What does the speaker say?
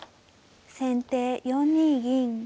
先手４二銀。